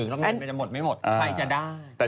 ใครจะได้